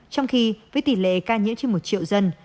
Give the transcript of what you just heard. trong khi với tỷ lệ ca nhiễm trên một triệu dân